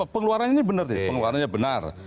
pengeluaran ini benar